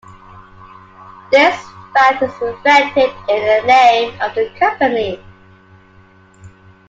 This fact is reflected in the name of the company.